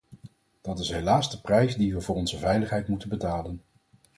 Dat is helaas de prijs die we voor onze veiligheid moeten betalen.